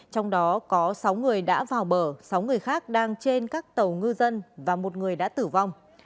trong đó có sáu người đã vào bờ sáu người khác đang trên các tàu ngư dân và một người đã tử vong